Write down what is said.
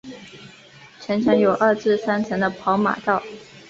城墙有二至三层的跑马道。